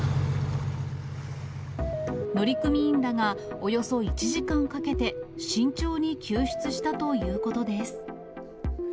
乗組員らがおよそ１時間かけて、慎重に救出したということです。